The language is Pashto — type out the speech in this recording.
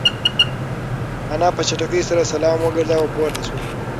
انا په چټکۍ سره سلام وگرځاوه او پورته شوه.